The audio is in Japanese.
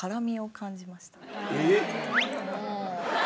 えっ？